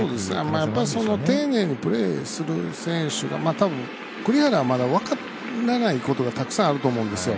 やっぱり丁寧なプレーをする選手が栗原はまだ分からないことがたくさんあると思うんですよ。